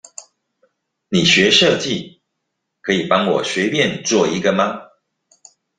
你學設計，可以幫我隨便做一個嗎？